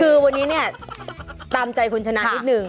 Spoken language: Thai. คือวันนี้เนี่ยตามใจคุณชนะนิดนึง